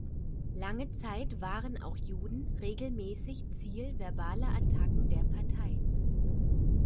Lange Zeit waren auch Juden regelmäßig Ziel verbaler Attacken der Partei.